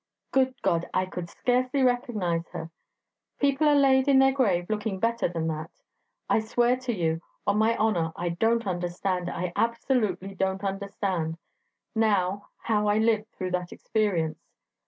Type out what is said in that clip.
Good God! I could scarcely recognise her; people are laid in their grave looking better than that. I swear to you, on my honour, I don't understand I absolutely don't understand now, how I lived through that experience.